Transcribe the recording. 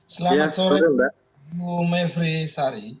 selamat sore bu mevri sari